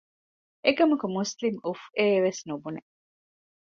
އެކަމަކު މުސްލިމް އުފްއޭވެސް ނުބުނެ